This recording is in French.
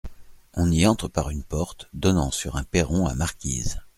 On y entre par une porte donnant sur un perron à marquise.